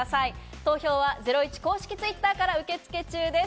投票はゼロイチ公式Ｔｗｉｔｔｅｒから受け付け中です。